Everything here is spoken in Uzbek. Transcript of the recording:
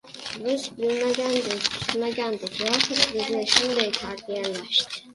"Biz bilmagandik, kutmagandik!" yoxud "Bizni shunday tarbiyalashdi!"